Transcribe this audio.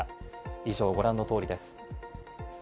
以上、ご覧の通りです。